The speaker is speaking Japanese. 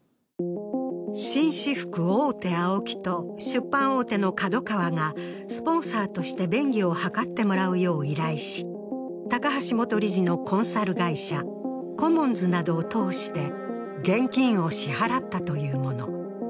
紳士服大手・ＡＯＫＩと出版大手のＫＡＤＯＫＡＷＡが、スポンサーとして便宜を図ってもらうよう依頼し高橋元理事のコンサル会社、コモンズなどを通して現金を支払ったというもの。